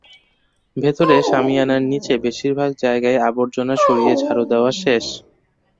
ভেতরে সামিয়ানার নিচে বেশির ভাগ জায়গায়ই আবর্জনা সরিয়ে ঝাড়ু দেওয়া শেষ।